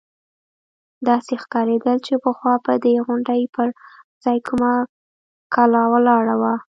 داسې ښکارېدل چې پخوا به د دې غونډۍ پر ځاى کومه کلا ولاړه وه.